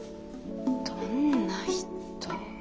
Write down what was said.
どんな人。